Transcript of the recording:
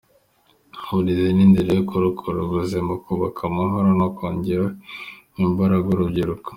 Uburezi ni inzira yo kurokora ubuzima, kubaka amahoro no kongerera imbaraga urubyiruko.